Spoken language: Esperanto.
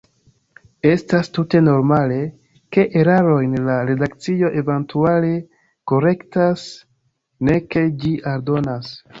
Estas tute normale, ke erarojn la redakcio eventuale korektas, ne ke ĝi aldonas.